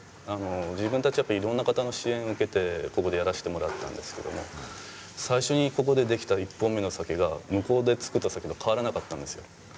自分たちはいろんな方の支援を受けてここでやらしてもらってたんですけども最初にここでできた１本目の酒が向こうで造った酒と変わらなかったんですよ。